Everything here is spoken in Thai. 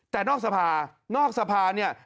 แต่นอกสภานอกสภาเนี่ย